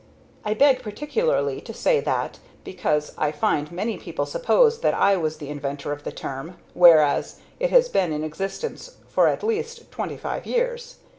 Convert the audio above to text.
I beg particularly to say that, because I find many people suppose that I was the inventor of that term, whereas it has been in existence for at least twenty five years.